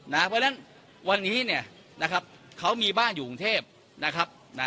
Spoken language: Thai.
เพราะฉะนั้นวันนี้เนี่ยนะครับเขามีบ้านอยู่กรุงเทพนะครับ